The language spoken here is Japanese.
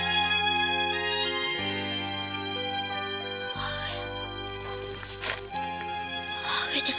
母上母上ですね。